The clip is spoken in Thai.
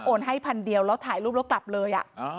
ให้พันเดียวแล้วถ่ายรูปแล้วกลับเลย